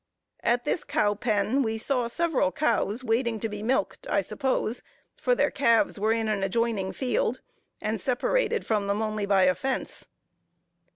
At this cow pen, we saw several cows waiting to be milked, I suppose, for their calves were in an adjoining field, and separated from them only by a fence.